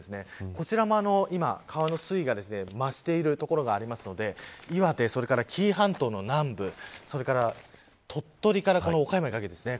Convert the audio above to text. こちらも川の水位が増している所があるので岩手、それから紀伊半島の南部それから鳥取から岡山にかけてですね。